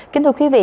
kính thưa quý vị